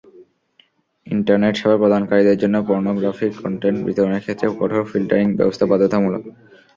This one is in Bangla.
ইন্টারনেট সেবা প্রদানকারীদের জন্য পর্নোগ্রাফিক কনটেন্ট বিতরণের ক্ষেত্রে কঠোর ফিল্টারিং ব্যবস্থা বাধ্যতামূলক।